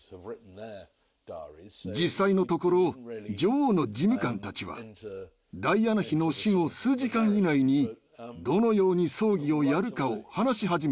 実際のところ女王の事務官たちはダイアナ妃の死後数時間以内にどのように葬儀をやるかを話し始めていたんです。